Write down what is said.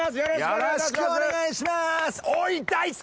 よろしくお願いします。